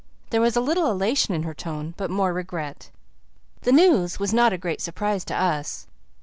There was a little elation in her tone, but more regret. The news was not a great surprise to us.